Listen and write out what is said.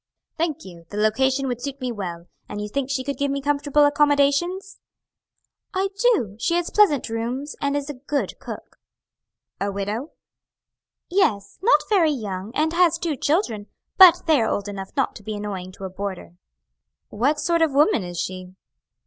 "Thank you, the location would suit me well; and you think she could give me comfortable accommodations?" "I do; she has pleasant rooms and is a good cook." "A widow?" "Yes, not very young, and has two children. But they are old enough not to be annoying to a boarder." "What sort of woman is she?"